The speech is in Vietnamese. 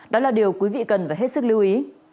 đó là điều quý vị cần phải hết sức lưu ý